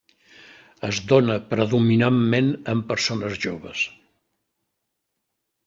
Es dóna predominantment en persones joves.